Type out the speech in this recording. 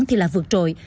thì là vượt trội